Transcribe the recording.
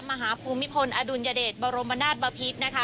มหาภูมิพลอดุลยเดชบรมนาฏบพิษ